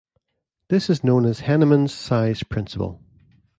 This is known as Henneman's Size Principle.